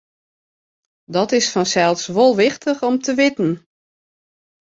Dat is fansels wol wichtich om te witten.